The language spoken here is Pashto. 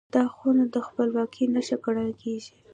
دا خونه د خپلواکۍ نښه ګڼل کېږي.